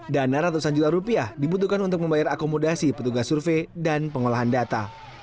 dana ratusan juta rupiah dibutuhkan untuk membayar akomodasi petugas survei dan pengolahan data